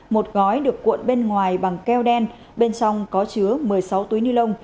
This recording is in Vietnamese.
một gói được cuộn bên ngoài bằng keo đen bên trong có chứa một mươi sáu túi nilon